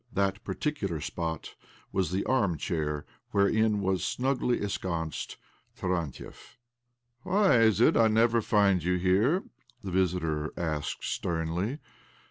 That particular spot was the arm chair, wherein was snugly ensconced Tarantiev. " Why is it I never find you here? " the visitor asked sternly.